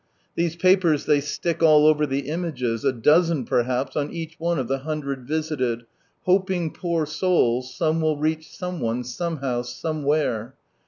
'I'hese papers they stick all over the images, a dozen perhaps on each one of the hundred visited, hojiing, poor souls, some will reach some one, somehow, somewhere.